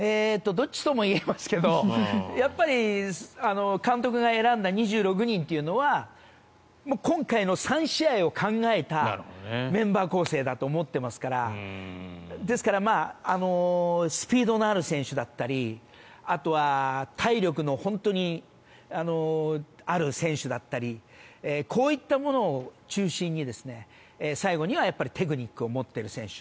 どっちとも言えますが監督が選んだ２６人というのは今回の３試合を考えたメンバー構成だと思っていますからですからスピードのある選手だったりあとは体力の本当にある選手だったりこういったものを中心に最後にはテクニックを持っている選手